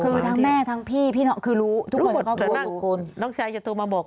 คือทั้งแม่ทั้งพี่พี่น้องคือรู้ทุกคนเขาบอกว่าน้องชายจะโทรมาบอก